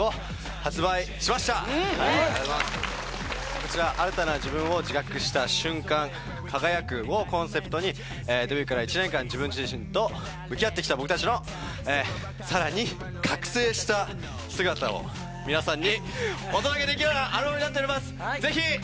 こちら「新たな自分を自覚した瞬間、輝く」をコンセプトにデビューから１年間自分自身と向き合ってきた僕たちのえさらに覚醒した姿を皆さんにお届けできるようなアルバムになっております！